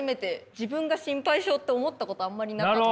自分が心配性って思ったことあんまりなかったので。